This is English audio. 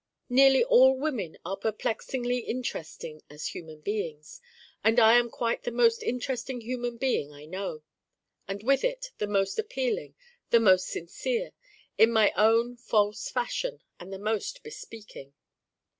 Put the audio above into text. Nearly all women are perplexingly interesting as human beings. And I am quite the most interesting human being I know: and with it the most appealing, the most sincere in my own false fashion, and the most bespeaking.